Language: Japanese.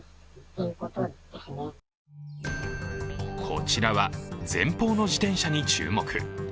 こちらは前方の自転車に注目。